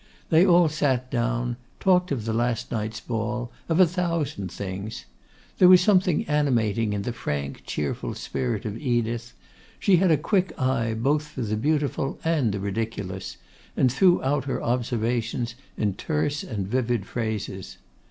They all sat down, talked of the last night's ball, of a thousand things. There was something animating in the frank, cheerful spirit of Edith. She had a quick eye both for the beautiful and the ridiculous, and threw out her observations in terse and vivid phrases.